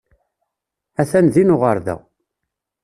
Atan din uɣerda.